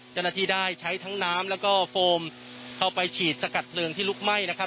เจ้าหน้าที่ได้ใช้ทั้งน้ำแล้วก็โฟมเข้าไปฉีดสกัดเพลิงที่ลุกไหม้นะครับ